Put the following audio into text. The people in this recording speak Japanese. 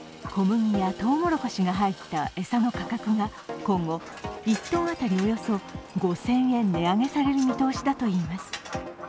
小麦やとうもろこしが入った餌の価格が今後、１ｔ当たりおよそ５０００円値上げされる見通しだといいます。